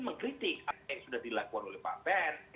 mengkritik apa yang sudah dilakukan oleh pak pers